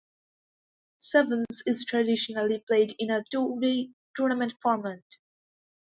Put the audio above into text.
Sevens is traditionally played in a two-day tournament format.